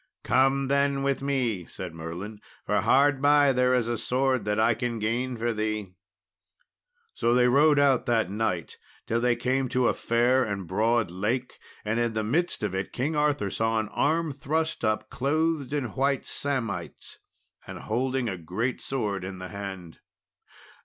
"Come then with me," said Merlin, "for hard by there is a sword that I can gain for thee." So they rode out that night till they came to a fair and broad lake, and in the midst of it King Arthur saw an arm thrust up, clothed in white samite, and holding a great sword in the hand.